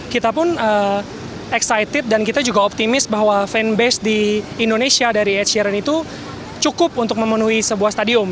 kita pun excited dan kita juga optimis bahwa fanbase di indonesia dari ed sheeran itu cukup untuk memenuhi sebuah stadium